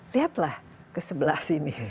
lihatlah ke sebelah sini